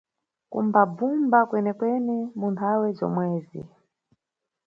Kumbabvumba kwene-kwene mu nthawe zomwezi.